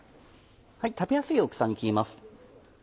食べやすい大きさに切ります。